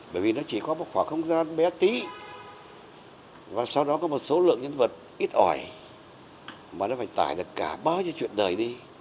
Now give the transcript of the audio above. bởi vì nó chỉ có một khoảng không gian bé tí và sau đó có một số lượng nhân vật ít ỏi mà nó phải tải được cả bao nhiêu chuyện đời đi